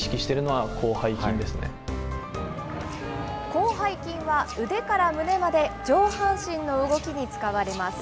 広背筋は、腕から胸まで上半身の動きに使われます。